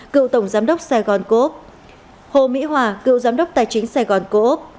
cựu tổng giám đốc sài gòn coop hồ mỹ hòa cựu giám đốc tài chính sài gòn coop